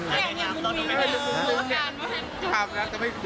อย่างนี้มึงมิ้ง